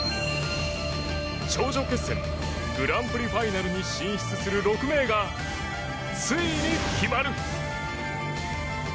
頂上決戦グランプリファイナルに進出する６名がついに決まる。